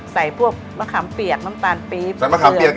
ใส่พวกมะขามเปียกน้ำตาลปีบใส่มะขามเปียกอีก